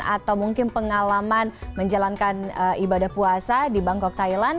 atau mungkin pengalaman menjalankan ibadah puasa di bangkok thailand